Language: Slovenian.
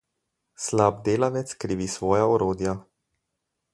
Slab delavec krivi svoja orodja.